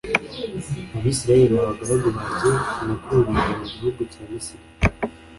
abisirayeli ni abagaragu banjye nikuriye mu gihugu cya misiri